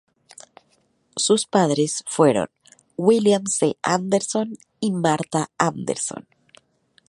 Sus padres fueron William C. Anderson y Martha Anderson.